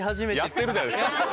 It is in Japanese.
やってるじゃないですか！